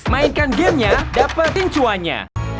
mainkan gamenya dapat rincuannya